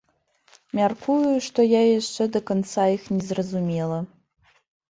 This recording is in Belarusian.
Мяркую, што я яшчэ да канца іх не зразумела.